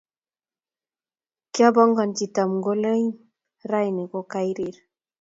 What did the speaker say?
kiabongokchi Tomngolion rauni ko kairir